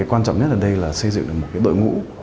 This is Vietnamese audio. quan trọng nhất ở đây là xây dựng được một đội ngũ